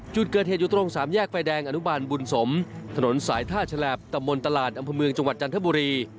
จุดเกิดเหตุอยู่ตรงสามแยกไฟแดงอนุบาลบุญสมถนนสายท่าฉลาบตำบลตลาดอำเภอเมืองจังหวัดจันทบุรี